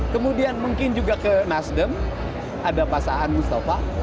kemudian mungkin juga ke nasdem ada pasangan mustafa